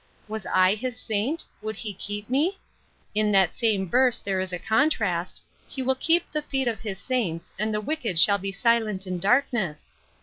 Was I his saint ? would he keep me ? In that same verse there is a contrast, ' He will keep the feet of his saints, and the wicked shall be silent in darkness.'